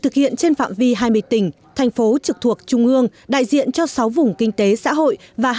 thực hiện trên phạm vi hai mươi tỉnh thành phố trực thuộc trung ương đại diện cho sáu vùng kinh tế xã hội và